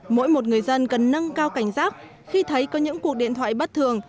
mỗi một người dân cần nâng cao cảnh giác khi thấy có những cuộc điện thoại bất thường